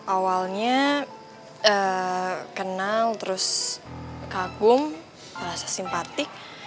awalnya kenal terus kagum rasa simpatik